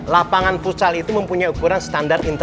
lapangan futsal itu mempunyai ukuran setengah meter